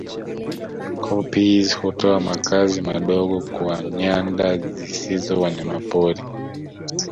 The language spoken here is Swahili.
Koppies hutoa makazi madogo kwa nyanda zisizo wanyamapori